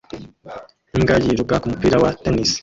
imbwa yiruka kumupira wa tennis